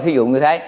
thí dụ như thế